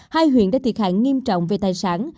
hai huyện đã thiệt hại nghiêm trọng về tài sản